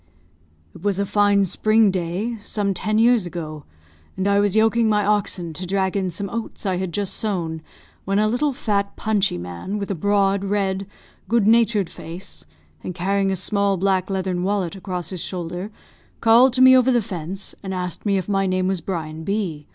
"It was a fine spring day, some ten years ago, and I was yoking my oxen to drag in some oats I had just sown, when a little, fat, punchy man, with a broad, red, good natured face, and carrying a small black leathern wallet across his shoulder, called to me over the fence, and asked me if my name was Brian B